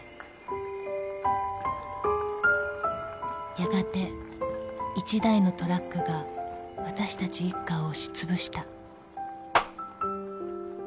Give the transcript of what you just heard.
［やがて１台のトラックがわたしたち一家を押しつぶした］